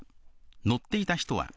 乗っていた人は。